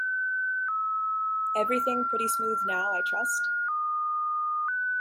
Everything pretty smooth now, I trust?